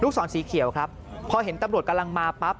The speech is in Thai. ศรสีเขียวครับพอเห็นตำรวจกำลังมาปั๊บ